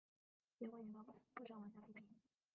结果引发不少玩家批评。